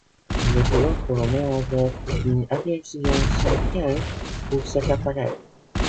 Les pilotes polonais avaient une aversion certaine pour cet appareil.